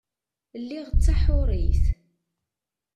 Lliɣ d taḥurit.